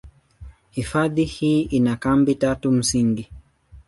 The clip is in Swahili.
Hifadhi hii ina kambi tatu msingi.